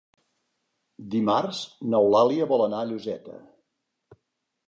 Dimarts n'Eulàlia vol anar a Lloseta.